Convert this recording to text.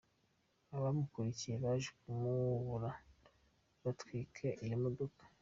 Abamukurikiyeyo baje kumubura batwika iyo modoka.